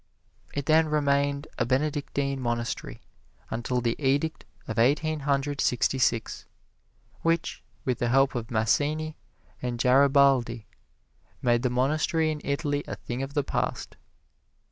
It then remained a Benedictine monastery until the edict of Eighteen Hundred Sixty six, which, with the help of Massini and Garibaldi, made the monastery in Italy a thing of the past.